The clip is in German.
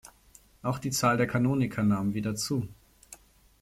Auch die Zahl der Kanoniker nahm wieder zu.